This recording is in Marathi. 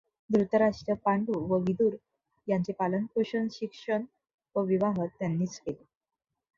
धृतराष्ट्र, पांडू व विदुर यांचे पालनपोषण, शिक्षण व विवाह त्यांनीच केले.